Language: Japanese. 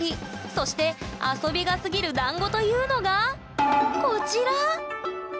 そして遊びがすぎるだんごというのがこちら！